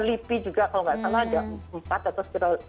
lipi juga kalau nggak salah ada empat atau sekitar